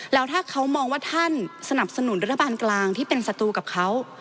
แล้วถ้าเขามองว่าท่านสนับสนุนรัฐบาลกลางที่เป็นศัตรูกับเขา